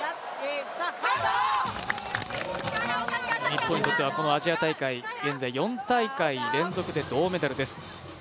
日本にとってはこのアジア大会、現在４大会連続で銅メダルです。